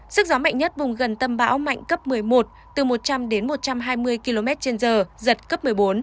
sức gió mạnh nhất vùng gần tâm bão mạnh cấp một mươi một từ một trăm linh đến một trăm hai mươi km trên giờ giật cấp một mươi bốn